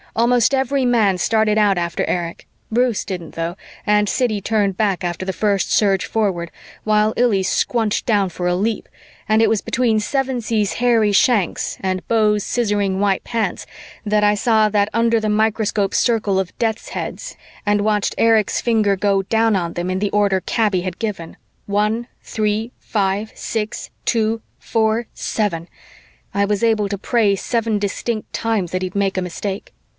Almost every man started out after Erich. Bruce didn't, though, and Siddy turned back after the first surge forward, while Illy squunched down for a leap, and it was between Sevensee's hairy shanks and Beau's scissoring white pants that I saw that under the microscope circle of death's heads and watched Erich's finger go down on them in the order Kaby had given: one, three, five, six, two, four, seven. I was able to pray seven distinct times that he'd make a mistake.